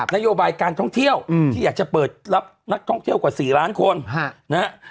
นโยบายการท่องเที่ยวที่อยากจะเปิดรับนักท่องเที่ยวกว่า๔ล้านคนนะฮะ